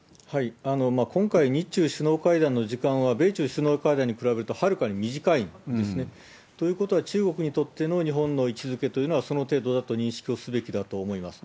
今回、日中首脳会談の時間は米中首脳会談に比べるとはるかに短いんですね。ということは、中国にとっての日本の位置づけというのは、その程度だと認識をすべきだと思います。